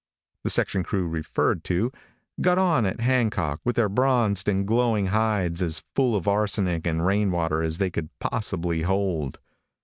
The section crew referred to, got on at Hancock with their bronzed and glowing hides as full of arsenic and rain water as they could possibly hold.